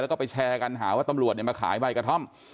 แล้วก็ไปแชร์กันหาว่าตำรวจมาขายใบกระท่อม